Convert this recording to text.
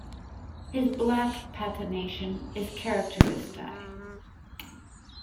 His black patination is characteristi.